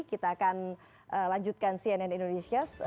kita akan lanjutkan cnn indonesia